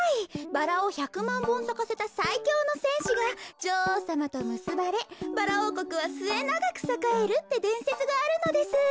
バラを１００まんぼんさかせたさいきょうのせんしが女王さまとむすばれバラおうこくはすえながくさかえるってでんせつがあるのです。